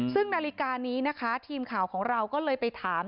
ซึ่งนาฬิกานี้นะคะทีมข่าวของเราก็เลยไปถาม